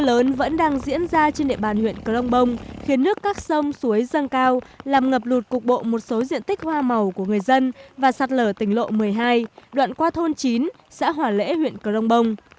nước lớn vẫn đang diễn ra trên địa bàn huyện cờ long bông khiến nước các sông suối răng cao làm ngập lụt cục bộ một số diện tích hoa màu của người dân và sát lở tỉnh lộ một mươi hai đoạn qua thôn chín xã hỏa lễ huyện cờ long bông